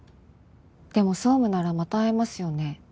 でも総務ならまた会えますよね。